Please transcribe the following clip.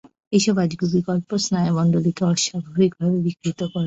এইসব আজগুবী গল্প স্নায়ুমণ্ডলীকে অস্বাভাবিকভাবে বিকৃত করে।